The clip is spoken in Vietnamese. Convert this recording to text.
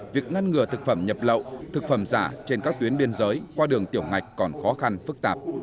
việc ngăn ngừa thực phẩm nhập lậu thực phẩm giả trên các tuyến biên giới qua đường tiểu ngạch còn khó khăn phức tạp